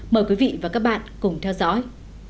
mời quý vị cùng theo dõi